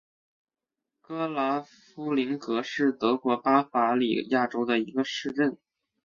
格拉夫林格是德国巴伐利亚州的一个市镇。